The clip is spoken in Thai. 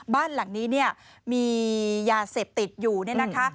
บ้านหลังนี้เนี่ยมียาเสพติดอยู่เนี่ยนะคะ